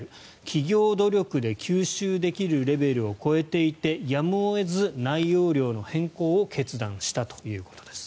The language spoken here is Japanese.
企業努力で吸収できるレベルを超えていてやむを得ず、内容量の変更を決断したということです。